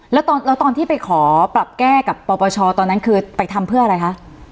แล้วตอนที่ไปขอปรับแก้กับปปชตอนนั้นคือไปทำเพื่ออะไรคะ